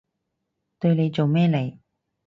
對你做咩嚟？